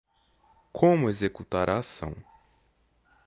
Como Executar a Ação